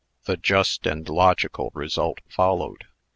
The just and logical result followed.